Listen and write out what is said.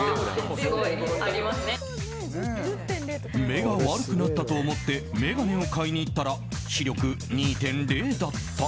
［目が悪くなったと思って眼鏡を買いに行ったら視力２．０だった。